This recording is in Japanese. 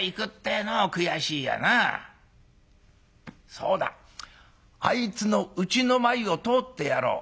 そうだあいつのうちの前を通ってやろう。